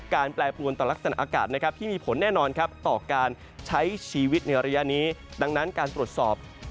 การแปรปรวนต่อลักษณะอากาศนะครับ